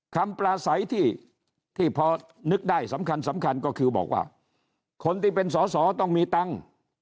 ปลาใสที่พอนึกได้สำคัญสำคัญก็คือบอกว่าคนที่เป็นสอสอต้องมีตังค์